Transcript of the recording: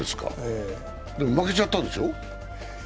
でも負けちゃったんでしょ。